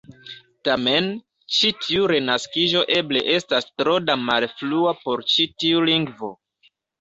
Tamen, ĉi tiu "renaskiĝo" eble estas tro da malfrua por ĉi tiu lingvo.